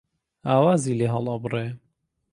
ئاوازی لێ هەڵ ئەبڕێ